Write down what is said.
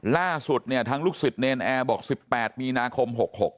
ล่าสุดเนี่ยทางลูกศิษย์เนรนแอร์บอก๑๘มีนาคม๖๖